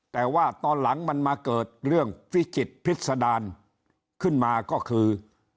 แต่ว่าตอนหลังมันมาเกิดเรื่องพิจิตรพิษดารขึ้นมาก็คือ